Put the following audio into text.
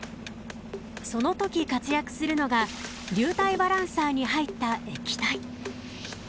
その時活躍するのが流体バランサーに入った液体。